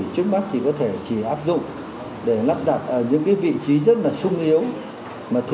chúng ta phải lắp đặt các thiết bị sớm sát